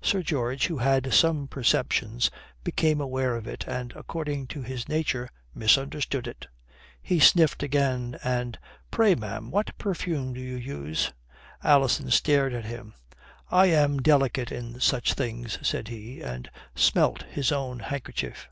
Sir George, who had some perceptions, became aware of it and according to his nature misunderstood it. He sniffed again, and "Pray, ma'am, what perfume do you use?" Alison stared at him. "I am delicate in such things," said he, and smelt his own handkerchief.